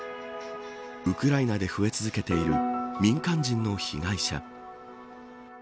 ウクライナで増え続けている民間人の被害者。